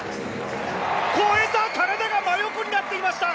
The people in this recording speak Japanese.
越えた、体が真横になっていました。